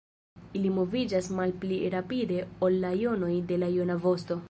Ili moviĝas malpli rapide ol la jonoj de la jona vosto.